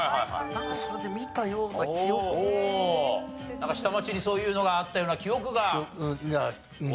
なんか下町にそういうのがあったような記憶がおありだと。